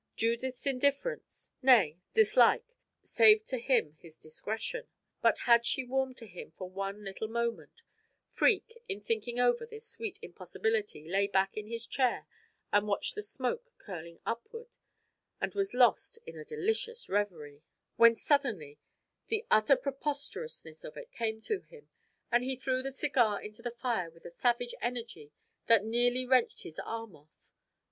Judith's indifference nay, dislike saved to him his discretion. But had she warmed to him for one little moment Freke, in thinking over this sweet impossibility, lay back in his chair and watched the smoke curling upward, and was lost in a delicious reverie when suddenly, the utter preposterousness of it came to him, and he threw the cigar into the fire with a savage energy that nearly wrenched his arm off.